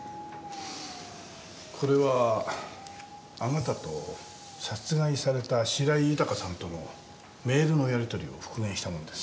これはあなたと殺害された白井豊さんとのメールのやり取りを復元したものです。